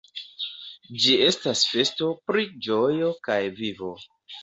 Ĝi estas festo pri ĝojo kaj vivo.